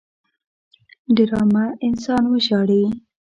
ډرامه انسان وژاړي